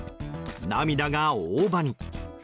「涙」が「大葉」に。